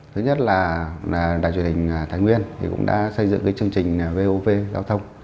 thứ nhất là đại truyền hình thái nguyên thì cũng đã xây dựng cái chương trình vov giao thông